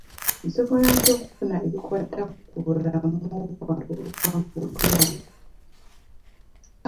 Nsobola ntya okufuna ebikwata ku bulamu bwange okuva mu ddwaliro?